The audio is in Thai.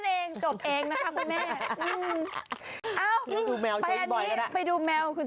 เองเล่นเองจบเองนะครับคุณแม่อ้าวไปอันนี้ไปดูแมวคุณ